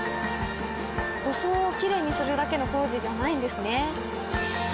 装をきれいにするだけの工事じゃないんですね。